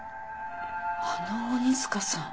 あの鬼塚さん。